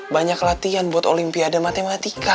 banyak latihan buat olimpiade matematika